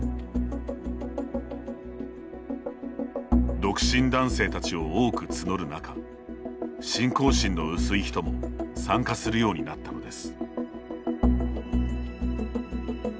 独身男性たちを多く募る中信仰心の薄い人も参加するようになったのです。